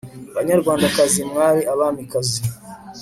banyarwandakazi, mwari abamikazi